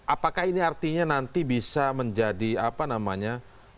apakah ini artinya nanti bisa menjadi apa namanya